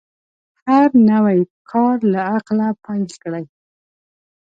هر نوی کار له عقله پیل کړئ.